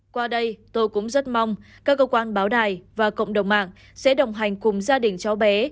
qua đây tôi cũng rất mong các cơ quan báo đài và cộng đồng mạng sẽ đồng hành cùng gia đình cháu bé